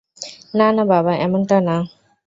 না না বাবা, এমনটা না।